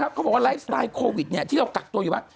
เขาบอกว่าไลฟ์สไตล์โควิดที่เรากักตัวอยู่ว่า